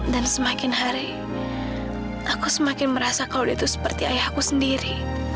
dan semakin hari aku semakin merasa kalau dia itu seperti ayahku sendiri